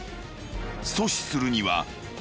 ［阻止するには］